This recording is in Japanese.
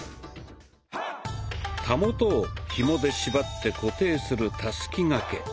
たもとをひもで縛って固定する「たすき掛け」。